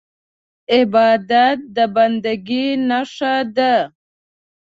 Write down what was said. عبادت د بندګۍ نښه ده.